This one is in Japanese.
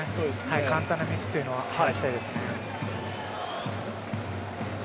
簡単なミスというのは減らしたいですね。